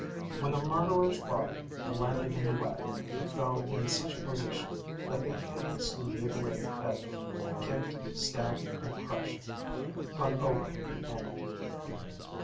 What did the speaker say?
When the murderer's body landed in the wagon it fell in such a position that the hideously mutilated head, kicked, stamped and crushed, hung over the end.